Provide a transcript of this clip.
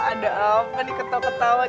ada apa nih ketawa ketawa